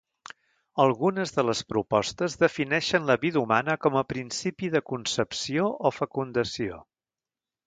Algunes de les propostes defineixen la vida humana com a principi de concepció o fecundació.